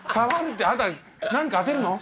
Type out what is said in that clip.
何かを当てるの？